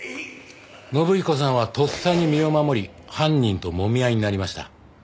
信彦さんはとっさに身を守り犯人ともみ合いになりました。